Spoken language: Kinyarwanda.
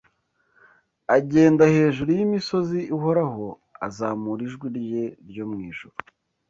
Agenda hejuru yimisozi ihoraho, azamura ijwi rye ryo mwijuru